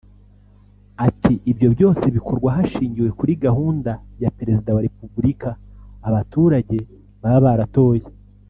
Ati “Ibyo byose bikorwa hashingiwe kuri gahunda ya Perezida wa Repubulika abaturage baba baratoye